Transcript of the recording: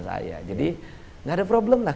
saya jadi nggak ada problem lah